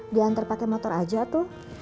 diantar pakai motor aja tuh